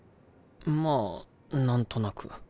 まあなんとなく。